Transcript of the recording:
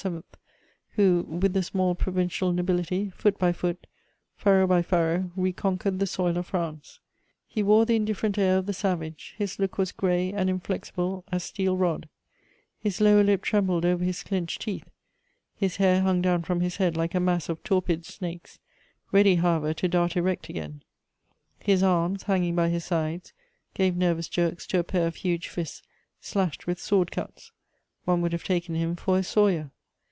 , who, with the small provincial nobility, foot by foot, furrow by furrow, reconquered the soil of France. He wore the indifferent air of the savage; his look was grey and inflexible as steel rod; his lower lip trembled over his clenched teeth; his hair hung down from his head like a mass of torpid snakes, ready, however, to dart erect again; his arms, hanging by his sides, gave nervous jerks to a pair of huge fists slashed with sword cuts: one would have taken him for a sawyer.